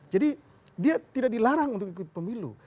jadi dia tidak dilarang untuk ikut pemilu